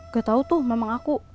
gak tau tuh memang aku